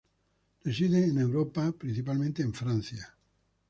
Reside en Europa, principalmente en Francia.